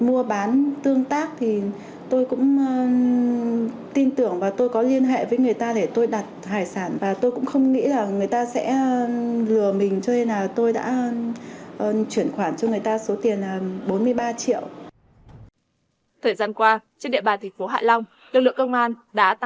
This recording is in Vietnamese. một phần tin tưởng mà không nghĩ mình đã bị lừa